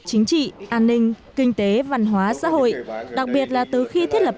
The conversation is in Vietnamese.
chính trị an ninh kinh tế văn hóa xã hội đặc biệt là từ khi thiết lập